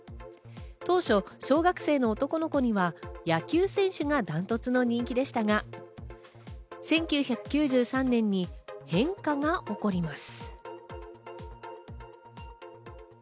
当初、小学生の男の子には野球選手がダントツの人気でしたが、１９９３年に変化が起こります。